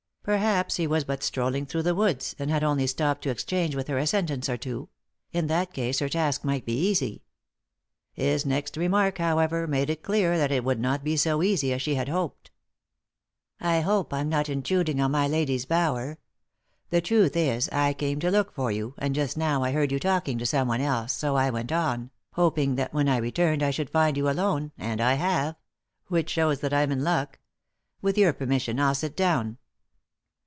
Perhaps he was but strolling through the woods, and had only stopped to exchange with her a sentence or two ; in that case her task might be easy. His next remark, however, made it clear that it would not be so easy as she had hoped. " I hope I'm not intruding on my lady's bower. The truth is, I came to look for you, and just now I heard you talking to someone else, so I went on, hoping that when I returned I should find you alone, and I have— which shows that I'm in luck. With your permission I'll sit down."